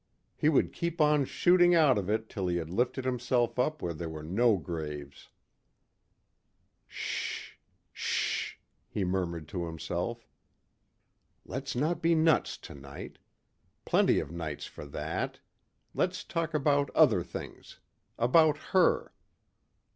He would keep on shooting out of it till he had lifted himself up where there were no graves. "Shh, shh," he murmured to himself, "let's not be nuts tonight. Plenty of nights for that. Let's talk about other things. About her."